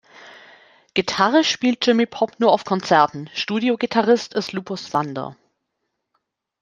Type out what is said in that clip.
Gitarre spielt Jimmy Pop nur auf Konzerten, Studiogitarrist ist Lupus Thunder.